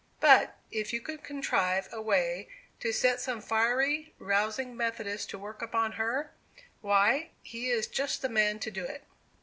But, if you could contrive a way to set some fiery, rousing Methodist to work upon her, why, he is just the man to do it!"